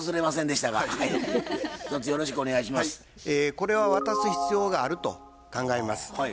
これは渡す必要があると考えます。